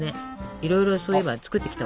いろいろそういえば作ってきたわね。